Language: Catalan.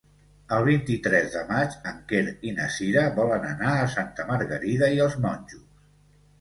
El vint-i-tres de maig en Quer i na Sira volen anar a Santa Margarida i els Monjos.